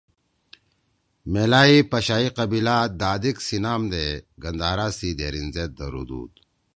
میلائی پشائی قبیلہ دادیک سی نام دے گندھارا سی دھیریِن زید دھرُودُود۔